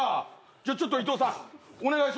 じゃあちょっと伊藤さんお願いしますよ。